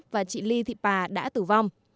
và chị ly thị pà đã tử vong